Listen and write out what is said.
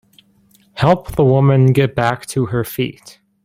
Help the woman get back to her feet.